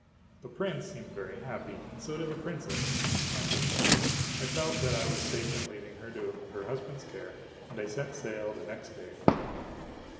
The prince seemed very happy, and so did the princess my niece. I felt that I was safe in leaving her to her husband's care, and I set sail the next day for home.